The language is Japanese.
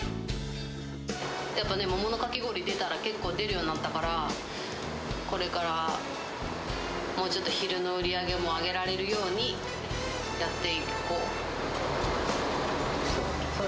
やっぱね、桃のかき氷、出たら、結構出るようになったから、これから、もうちょっと昼の売り上げも上げられるようにやっていこう。